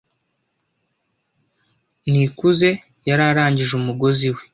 Nikuze yari arangije umugozi we.